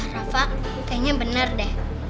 rafa kayaknya bener deh